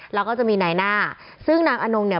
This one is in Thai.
แล้วก็จะมีนายหน้าซึ่งนางอนงเนี่ย